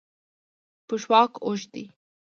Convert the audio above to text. پښواک اوږد دی.